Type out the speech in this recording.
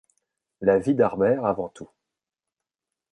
La vie d’Harbert avant tout.